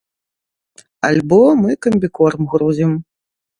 Альбо мы камбікорм грузім.